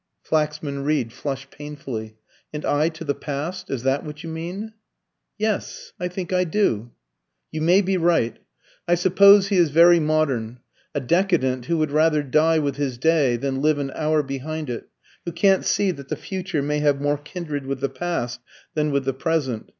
Flaxman Reed flushed painfully. "And I to the past is that what you mean?" "Yes, I think I do." "You may be right. I suppose he is very modern a decadent who would rather die with his day than live an hour behind it who can't see that the future may have more kindred with the past than with the present.